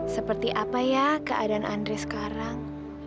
seperti apa ya keadaan andres sekarang